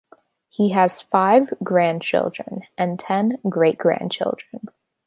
He has five grandchildren and ten great-grandchildren.